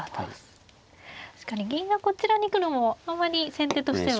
確かに銀がこちらに行くのもあまり先手としては。